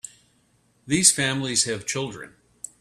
These families have children.